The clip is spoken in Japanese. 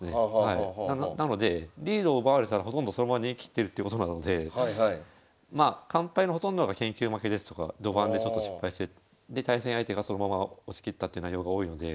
なのでリードを奪われたらほとんどそのまま逃げきってるってことなのでまあ完敗のほとんどが研究負けですとか序盤でちょっと失敗してで対戦相手がそのまま押し切ったって内容が多いので。